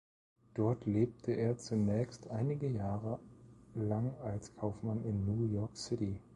Dort lebte er zunächst einige Jahre lang als Kaufmann in New York City.